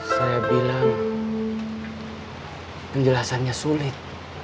saya bilang penjelasannya sulit